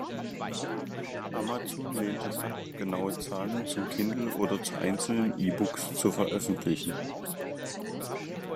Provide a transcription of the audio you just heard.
Amazon lehnt es ab, genaue Zahlen zum Kindle oder zu einzelnen E-Books zu veröffentlichen.